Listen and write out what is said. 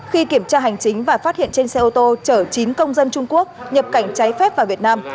khi kiểm tra hành chính và phát hiện trên xe ô tô chở chín công dân trung quốc nhập cảnh trái phép vào việt nam